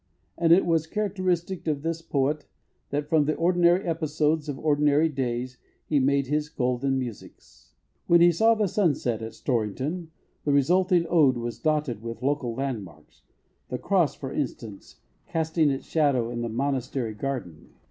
And it was characteristic of this poet that from the ordinary episodes of ordinary days he made his "golden musics." When he saw the sunset at Storrington, the resulting Ode was dotted with local landmarks the cross, for instance, casting its shadow in the monastery garden.